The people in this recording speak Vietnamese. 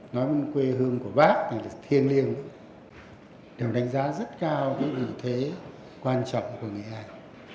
nói quê hương của bác là thiên liêng đều đánh giá rất cao vị thế quan trọng của nghệ an